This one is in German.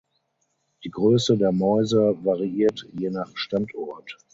Die Größe der Mäuse variiert je nach Standort.